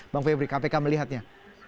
bang febri kpk melihatnya